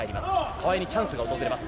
川井にチャンスが訪れます。